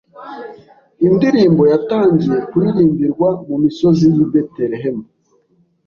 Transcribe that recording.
indirimbo yatangiye kuririmbirwa mu misozi y’i Betelehemu,